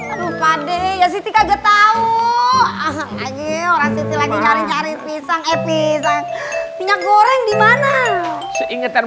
enggak tahu lagi orangnya lagi cari cari pisang pisang minyak goreng di mana seingetan